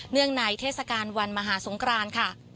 เนื่องไหนเทศกาลวันมหาสงคราน